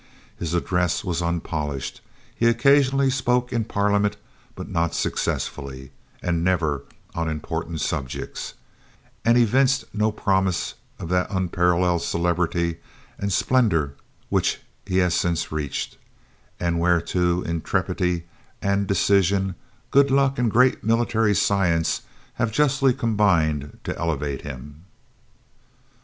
His address was unpolished; he occasionally spoke in Parliament, but not successfully, and never on important subjects; and evinced no promise of that unparalleled celebrity and splendor which he has since reached, and whereto intrepidity and decision, good luck, and great military science have justly combined to elevate him."